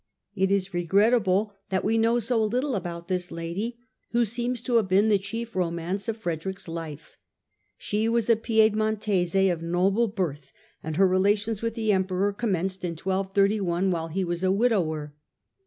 It is regrettable that we know so little about this lady, who seems to have been the chief romance of Frederick's life. She was a Piedmontese of noble birth, and her relations with the Emperor com menced in 1231, while he was a widower.